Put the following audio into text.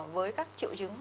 với các triệu chứng